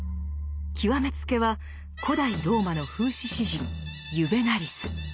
極め付けは古代ローマの風刺詩人ユヴェナリス。